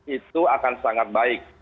itu akan sangat baik